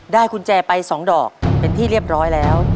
กุญแจไป๒ดอกเป็นที่เรียบร้อยแล้ว